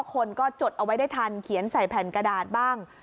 คนก็จดเอาไว้ได้ทันเขียนใส่แผ่นกระดาษบ้าง